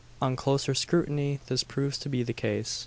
On closer scrutiny, this proves to be the case.